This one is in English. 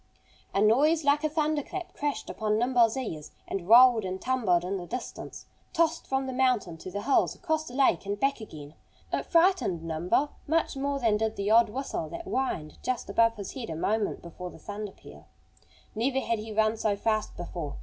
A noise like a thunder clap crashed upon Nimble's ears and rolled and tumbled in the distance, tossed from the mountain to the hills across the lake, and back again. It frightened Nimble much more than did the odd whistle that whined just above his head a moment before the thunder peal. Never had he run so fast before.